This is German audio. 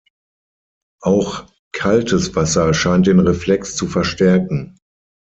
Auch "kaltes" Wasser scheint den Reflex zu verstärken.